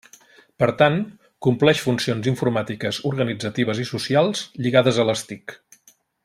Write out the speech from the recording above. Per tant, compleix funcions informàtiques, organitzatives i socials lligades a les TIC.